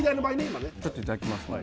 今ねちょっといただきますね